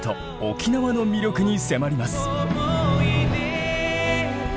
沖縄の魅力に迫ります。